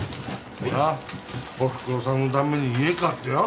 おふくろさんのために家買ってよ